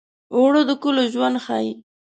اوړه د کلو ژوند ښيي